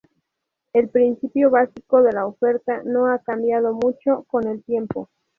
El principio básico de la oferta no ha cambiado mucho con el tiempo.